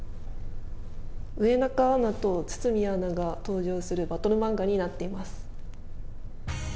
上中アナと堤アナが登場するバトル漫画になっています。